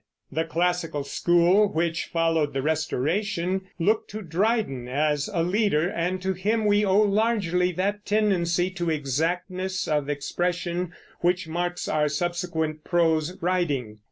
The classical school, which followed the Restoration, looked to Dryden as a leader, and to him we owe largely that tendency to exactness of expression which marks our subsequent prose writing.